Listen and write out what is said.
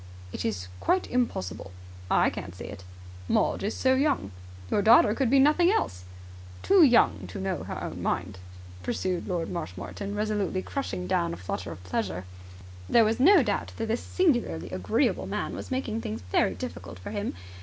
"It is quite impossible." "I can't see it." "Maud is so young." "Your daughter could be nothing else." "Too young to know her own mind," pursued Lord Marshmoreton, resolutely crushing down a flutter of pleasure. There was no doubt that this singularly agreeable man was making things very difficult for him.